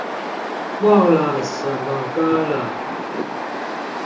忘了什麼歌了